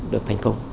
được thành công